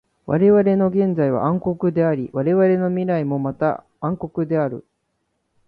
われわれの現在は暗黒であり、われわれの未来もまた暗黒である。